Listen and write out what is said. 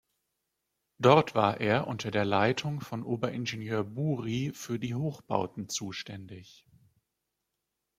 Dort war er unter der Leitung von Oberingenieur Buri für die Hochbauten zuständig.